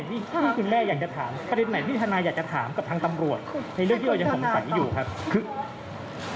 ที่คุณแม่อยากจะถามประเด็นไหนที่ทนายอยากจะถามกับทางตำรวจในเรื่องที่เรายังสงสัยอยู่ครับคือ